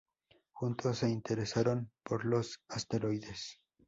Juntos se interesaron por los asteroides.